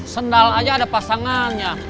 sendal aja ada pasangannya